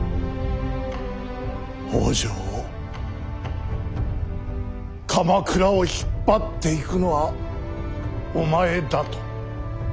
北条を鎌倉を引っ張っていくのはお前だと。